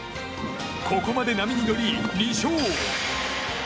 ここまで波に乗り、２勝。